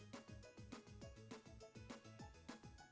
tapi kan aku belum makan